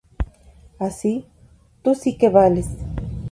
Así, "¡Tú sí que vales!